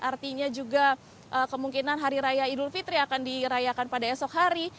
artinya juga kemungkinan hari raya idul fitri akan dirayakan pada esok hari